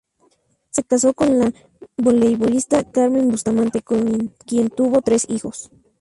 Se casó con la voleibolista Carmen Bustamante, con quien tuvo tres hijos.